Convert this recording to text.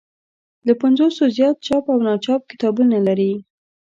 له پنځوسو زیات چاپ او ناچاپ کتابونه لري.